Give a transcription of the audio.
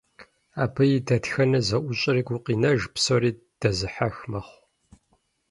Абы и дэтхэнэ зэӏущӏэри гукъинэж, псори дэзыхьэх мэхъу.